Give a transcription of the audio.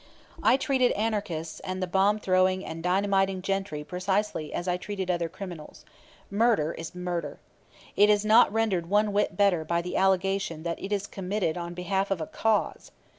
I treated anarchists and the bomb throwing and dynamiting gentry precisely as I treated other criminals. Murder is murder. It is not rendered one whit better by the allegation that it is committed on behalf of "a cause."